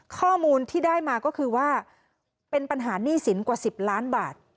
ข้อมูลที่ได้มาก็คือว่าเป็นปัญหาหนี้สินกว่า๑๐ล้านบาท